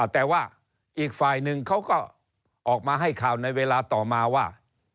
แต่ว่าอีกฝ่ายหนึ่งเขาก็ออกมาให้ข่าวในเวลาต่อมาว่า